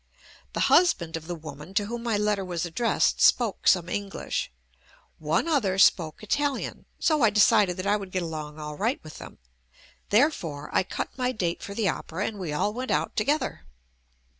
The husband of the woman to whom my letter was ad dressed, spoke some English — one other spoke Italian. So I decided that I would get along all right with them; therefore, I cut my date for the opera and we all went out together.